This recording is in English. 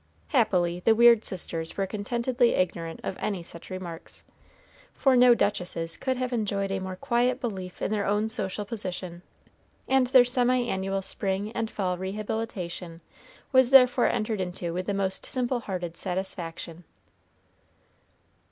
Happily the weird sisters were contentedly ignorant of any such remarks, for no duchesses could have enjoyed a more quiet belief in their own social position, and their semi annual spring and fall rehabilitation was therefore entered into with the most simple hearted satisfaction.